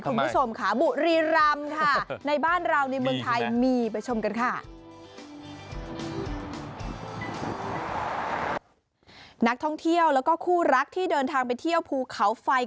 ใช่ไหมอินมากไม่ต้องไปไกลถึงเกาหลี